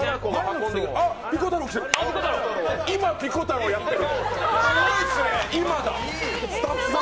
今、ピコ太郎やってる！